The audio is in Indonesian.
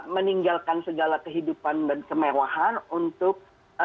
meninggalkan segala kehidupan dan kemewahan untuk